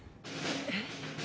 えっ？